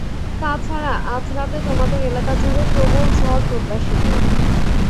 তা ছাড়া, আজ রাতে তোমাদের এলাকা জুড়ে প্রবল ঝড় প্রত্যাশিত।